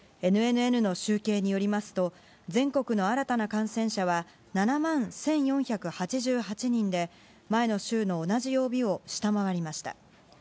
ＮＮＮの集計によりますと全国の新たな感染者は７万１４８８人で前の週の同じ曜日を下回りました。